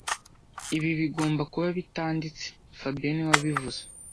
Ibi bigomba kuba bitanditse fabien niwe wabivuze